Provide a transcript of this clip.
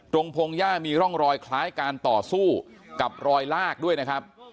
พงหญ้ามีร่องรอยคล้ายการต่อสู้กับรอยลากด้วยนะครับ